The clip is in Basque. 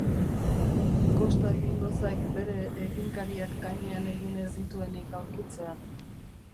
Kosta egingo zaik bere eginkariak gainean egin ez dituenik aurkitzea.